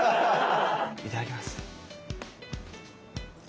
いただきます！